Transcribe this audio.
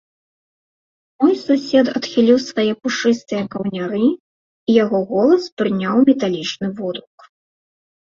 Мой сусед адхіліў свае пушыстыя каўняры, і яго голас прыняў металічны водгук.